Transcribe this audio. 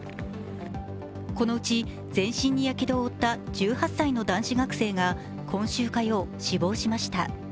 このうち全身にやけどを負った１８歳の男子学生が今週火曜、死亡しました。